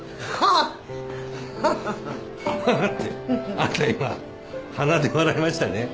あんた今鼻で笑いましたね。